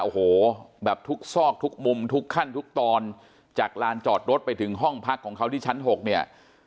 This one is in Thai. โอ้โหแบบทุกซอกทุกมุมทุกขั้นทุกตอนจากลานจอดรถไปถึงห้องพักของเขาที่ชั้น๖เนี่ย